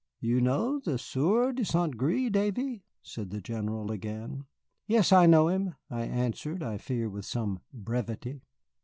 "You know the Sieur de St. Gré, Davy?" said the General again. "Yes, I know him," I answered, I fear with some brevity.